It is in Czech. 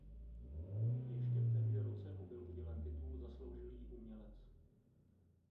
Ještě v témže roce mu byl udělen titul Zasloužilý umělec.